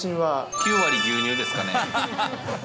９割牛乳ですかね。